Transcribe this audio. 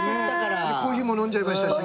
コーヒーも飲んじゃいましたしね。